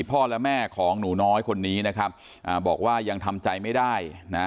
พ่อและแม่ของหนูน้อยคนนี้นะครับอ่าบอกว่ายังทำใจไม่ได้นะ